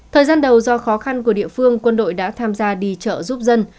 thời gian đầu do khó khăn của địa phương quân đội đã tham gia đi chợ giúp dân